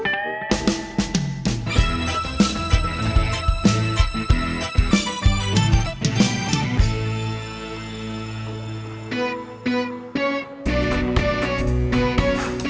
kalo sudah tinggalin sini